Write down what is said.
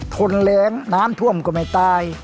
ทนแรงน้ำท่วมก็ไม่ตาย